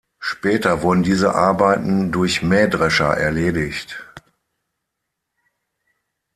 Später wurden diese Arbeiten durch Mähdrescher erledigt.